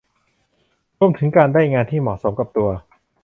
รวมถึงการได้งานที่เหมาะสมกับตัว